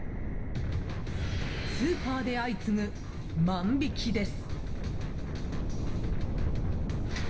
スーパーで相次ぐ万引きです。